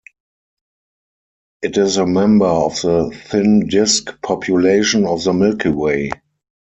It is a member of the thin disk population of the Milky Way.